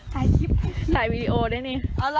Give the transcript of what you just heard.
ถ่ายคลิปถ่ายวีดีโอได้เนี้ยเอาเหรอ